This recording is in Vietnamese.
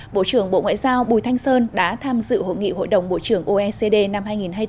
bộ trưởng bộ ngoại giao bùi thanh sơn đã tham dự hội nghị hội đồng bộ trưởng oecd năm hai nghìn hai mươi bốn